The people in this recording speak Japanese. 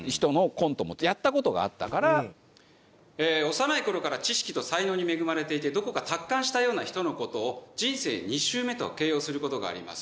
幼い頃から知識と才能に恵まれていてどこか達観したような人の事を「人生２周目」と形容する事があります。